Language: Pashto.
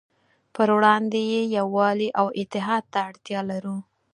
پروړاندې یې يووالي او اتحاد ته اړتیا لرو.